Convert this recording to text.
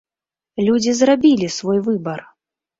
Людзі зрабілі свой выбар!